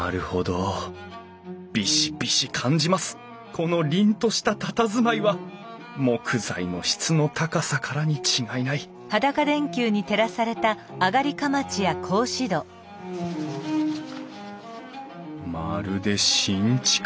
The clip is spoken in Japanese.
このりんとしたたたずまいは木材の質の高さからに違いないまるで新築。